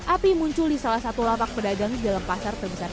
api muncul di salah satu lapak pedagang di dalam pasar terbesar